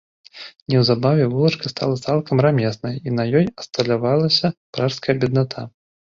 Неўзабаве вулачка стала цалкам рамеснай, і на ёй асталявалася пражская бедната.